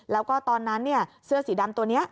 แล้วก็ตอนนั้นเสื้อสีดำตัวนี้